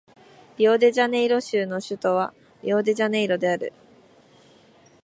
リオデジャネイロ州の州都はリオデジャネイロである